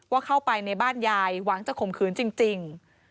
เข้าไปในบ้านยายหวังจะข่มขืนจริง